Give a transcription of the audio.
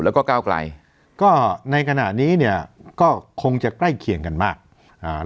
แล้วก็ก้าวไกลก็ในขณะนี้เนี่ยก็คงจะใกล้เคียงกันมากอ่า